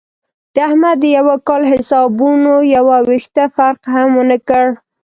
د احمد د یوه کال حسابونو یو وېښته فرق هم ونه کړ.